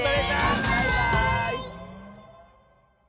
バイバーイ！